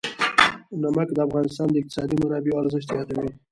نمک د افغانستان د اقتصادي منابعو ارزښت زیاتوي.